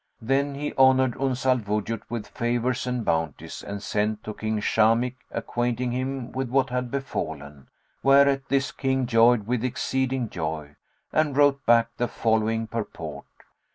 Then he honoured Uns al Wujud with favours and bounties and sent to King Shamikh acquainting him with what had befallen, whereat this King joyed with exceeding joy and wrote back the following purport.